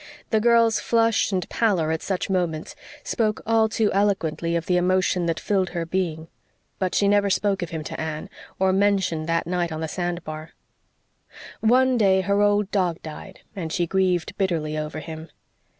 The girl's flush and pallor at such moments spoke all too eloquently of the emotion that filled her being. But she never spoke of him to Anne, or mentioned that night on the sand bar. One day her old dog died and she grieved bitterly over him.